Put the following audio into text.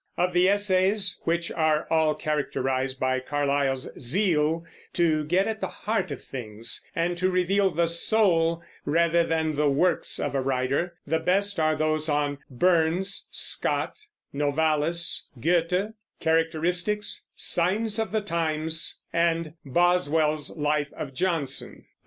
Of the essays, which are all characterized by Carlyle's zeal to get at the heart of things, and to reveal the soul rather than the works of a writer, the best are those on "Burns," "Scott," "Novalis," "Goethe," "Characteristics," "Signs of the Times," and "Boswell's Life of Johnson."